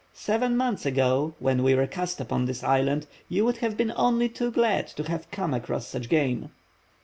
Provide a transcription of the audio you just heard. Seven months ago, when we were cast upon this island, you would have been only too glad to have come across such game."